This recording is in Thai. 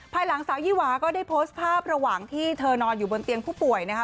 ภายหลังสาวยี่หวาก็ได้โพสต์ภาพระหว่างที่เธอนอนอยู่บนเตียงผู้ป่วยนะคะ